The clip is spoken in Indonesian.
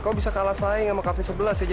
kamu bisa kalah saing sama cafe sebelas aja tomiam